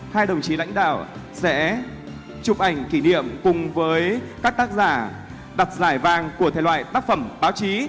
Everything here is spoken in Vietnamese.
hai đồng chí lãnh đạo sẽ chụp ảnh kỷ niệm cùng với các tác giả đặt giải vàng của thể loại tác phẩm báo chí